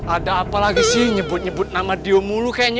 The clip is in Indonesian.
ada apa lagi sih nyebut nyebut nama diomulu kayaknya